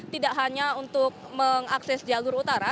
tidak hanya untuk mengakses jalur utara